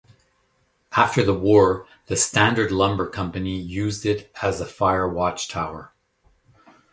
After the war, the Standard Lumber Company used it as a fire watchtower.